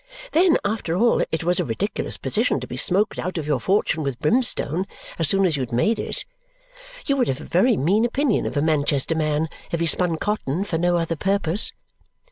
Then, after all, it was a ridiculous position to be smoked out of your fortune with brimstone as soon as you had made it. You would have a very mean opinion of a Manchester man if he spun cotton for no other purpose.